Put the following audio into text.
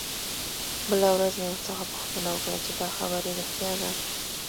بله ورځ مې ورڅخه پوښتنه وکړه چې دا خبره رښتيا ده.